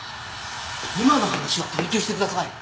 今の話は取り消してください。